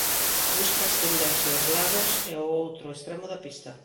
A busca estendeuse aos lados e o outro extremo da pista.